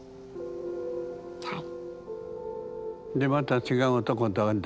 はい。